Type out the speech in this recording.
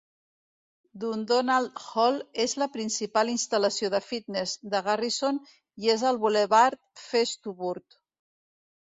Dundonald Hall és la principal instal·lació de fitness de Garrison i és al bulevard Festuburt.